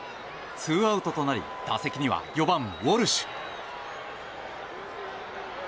ツーアウトとなり打席には４番ウォルシュ。